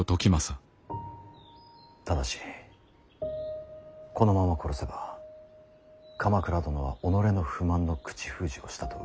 ただしこのまま殺せば鎌倉殿は己の不満の口封じをしたとうわさが立ちます。